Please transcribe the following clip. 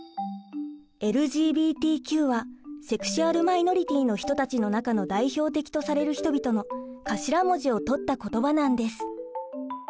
ＬＧＢＴＱはセクシュアル・マイノリティーの人たちの中の代表的とされる人々の頭文字をとった言葉なんです。